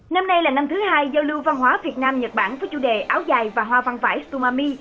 năm nay là năm thứ hai giao lưu văn hóa việt nam nhật bản với chủ đề áo dài và hoa văn vải tsumami